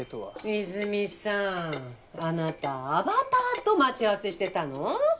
いづみさんあなたアバターと待ち合わせしてたの？